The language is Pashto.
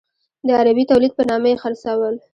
د عربي تولید په نامه یې خرڅول.